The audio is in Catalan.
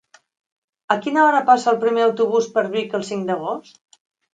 A quina hora passa el primer autobús per Vic el cinc d'agost?